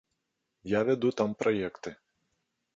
Я вяду там праекты.